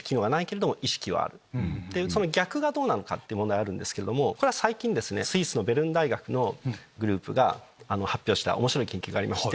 その逆がどうなのかって問題があるんですけど最近スイスのベルン大学のグループが発表した面白い研究がありまして。